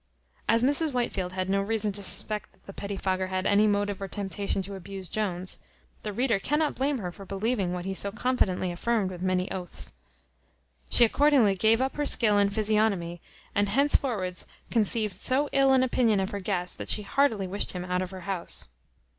As Mrs Whitefield had no reason to suspect that the petty fogger had any motive or temptation to abuse Jones, the reader cannot blame her for believing what he so confidently affirmed with many oaths. She accordingly gave up her skill in physiognomy, and hence forwards conceived so ill an opinion of her guest, that she heartily wished him out of her house.